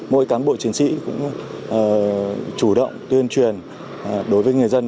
mỗi cán bộ chiến sĩ cũng chủ động tuyên truyền đối với người dân